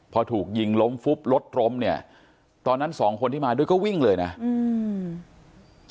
พอถูกยิงล้มฟุบรถล้มเนี่ยตอนนั้นสองคนที่มาด้วยก็วิ่งเลยนะอืม